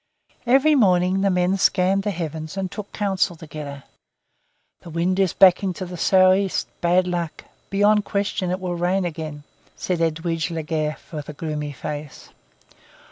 Every morning the men scanned the heavens and took counsel together. "The wind is backing to the sou'east. Bad luck! Beyond question it will rain again," said Edwige Legare with a gloomy face.